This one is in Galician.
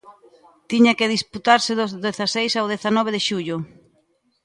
Tiña que disputarse do dezaseis ao dezanove de xullo.